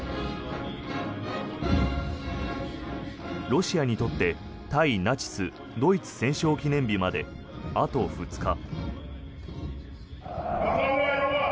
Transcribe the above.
ロシアにとって対ナチス・ドイツ戦勝記念日まであと２日。